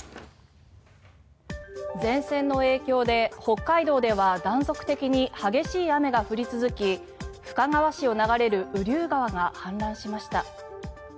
前線の影響で北海道では断続的に激しい雨が降り続き深川市を流れる雨竜川が氾濫しました。